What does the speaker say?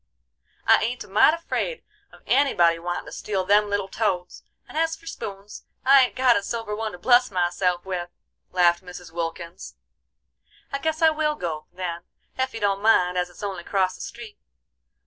"I ain't a mite afraid of anybody wantin' to steal them little toads; and as for spoons, I ain't got a silver one to bless myself with," laughed Mrs. Wilkins. "I guess I will go, then, ef you don't mind, as it's only acrost the street.